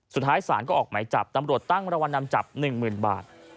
สุดท้ายสารก็ออกใหม่จับนำรวดตั้งรวรรณนำจับ๑๐๐๐๐บาท